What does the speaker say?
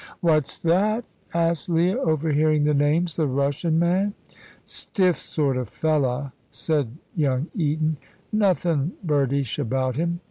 "What's that?" asked Leah, overhearing the names; "the Russian man?" "Stiff sort of fella'!" said young Eton. "Nothin' birdish about him.